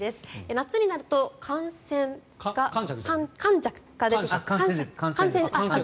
夏になると乾癬が出てきます。